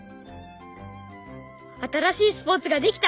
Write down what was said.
新しいスポーツが出来た！